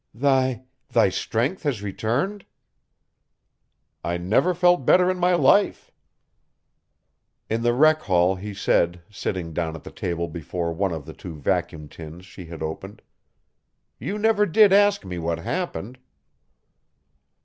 "Thy ... thy strength has returned?" "I never felt better in my life." In the rec hall he said, sitting down at the table before one of the two vacuum tins she had opened, "You never did ask me what happened."